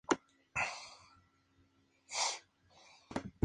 El estilo del comedor tras la remodelación es neoclásico.